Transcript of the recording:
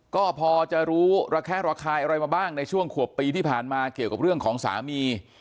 ก็พอจะรู้ระแคะระคายอะไรมาบ้างในช่วงขวบปีที่ผ่านมาเกี่ยวกับเรื่องของสามี